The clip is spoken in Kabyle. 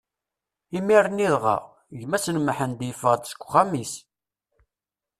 Imir-nni dɣa, gma-s n Mḥend yeffeɣ-d seg uxxam-is.